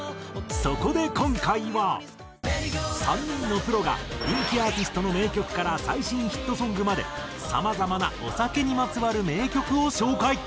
そこで今回は３人のプロが人気アーティストの名曲から最新ヒットソングまでさまざまなお酒にまつわる名曲を紹介。